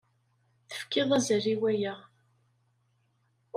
Tefkiḍ azal i waya.